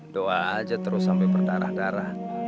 doa aja terus sampai bertarah tarah